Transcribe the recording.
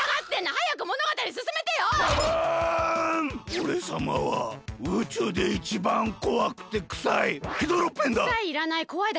おれさまはうちゅうでいちばんこわくてくさいヘドロッペンだ！